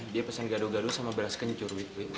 dia pesan gaduh gaduh sama beras kenyu curwi wi